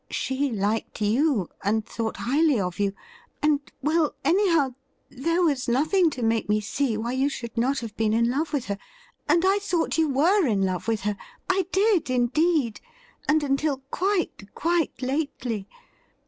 She liked you, and thought highly of you, and — well, anyhow, there was nothing to make me see why you should not have been in love with her. And I thought you were in love with her — I did indeed, and until quite, quite lately.